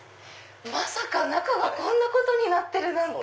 まさか中がこんなことになってるなんて！